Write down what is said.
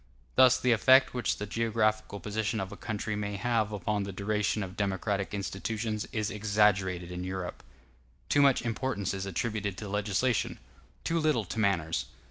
Thus the effect which the geographical position of a country may have upon the duration of democratic institutions is exaggerated in Europe. Too much importance is attributed to legislation, too little to manners.